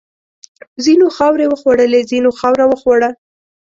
ځینو خاورې وخوړلې، ځینو خاوره وخوړه.